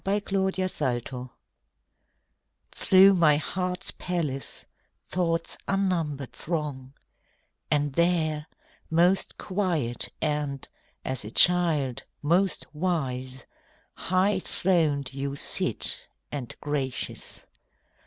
Day and Night Through my heart's palace Thoughts unnumbered throng; And there, most quiet and, as a child, most wise, High throned you sit, and gracious.